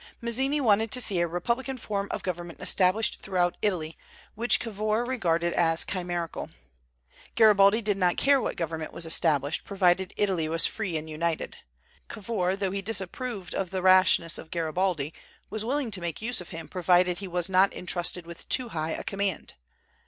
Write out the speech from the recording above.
Mazzini wanted to see a republican form of government established throughout Italy, which Cavour regarded as chimerical. Garibaldi did not care what government was established, provided Italy was free and united. Cavour, though he disapproved the rashness of Garibaldi, was willing to make use of him provided he was not intrusted with too high a command.